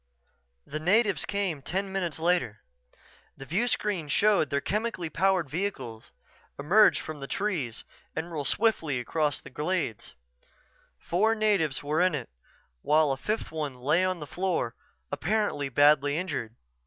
The natives came ten minutes later. The viewscreen showed their chemically powered vehicle emerge from the trees and roll swiftly across the glade. Four natives were in it while a fifth one lay on the floor, apparently badly injured.